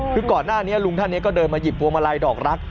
คือก่อนหน้านี้ลุงท่านนี้ก็เดินมาหยิบพวงมาลัยดอกรัก